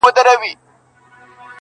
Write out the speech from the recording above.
اوس پر ما لري,